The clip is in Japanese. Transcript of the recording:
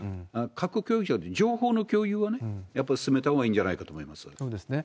核共有じゃなくて、情報の共有はね、やっぱり進めたほうがいいんじゃないかと思いまそうですね。